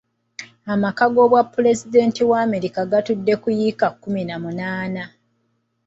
Amaka g'obwa pulezidenti wa America gatudde ku yiika kkumi na munaana